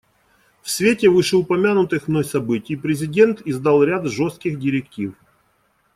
В свете вышеупомянутых мной событий президент издал ряд жестких директив.